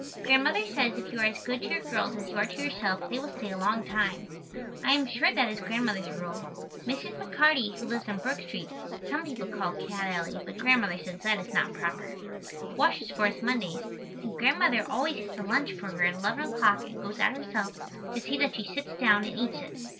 Grandmother says if you are as good to your girls as you are to yourself they will stay a long time. I am sure that is Grandmother's rule. Mrs. McCarty, who lives on Brook Street (some people call it Cat Alley but Grandmother says that is not proper), washes for us Mondays, and Grandmother always has a lunch for her at eleven o'clock and goes out herself to see that she sits down and eats it.